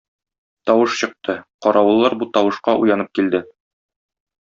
Тавыш чыкты, каравыллар бу тавышка уянып килде.